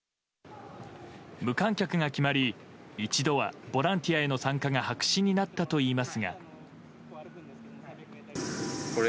無観客が決まり一度は、ボランティアへの参加が白紙になったといいますが。